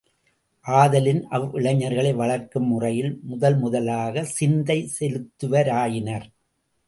ஆதலின், அவ்விளைஞர்களை வளர்க்கும் முறையில், முதல் முதல் சிந்தை செலுத்துவாராயினர்.